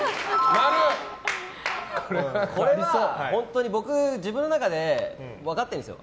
これは僕、自分の中で分かっているんですよ。